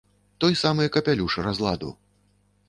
Той самы капялюш разладу.